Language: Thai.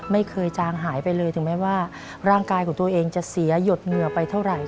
จางหายไปเลยถึงแม้ว่าร่างกายของตัวเองจะเสียหยดเหงื่อไปเท่าไหร่